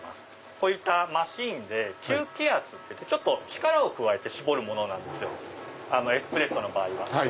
こういったマシンで９気圧ちょっと力を加えて搾るものなんですよエスプレッソの場合は。